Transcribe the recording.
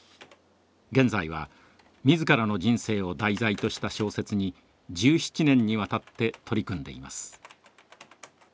現在は自らの人生を題材とした小説に１７年にわたって取り組んでいます。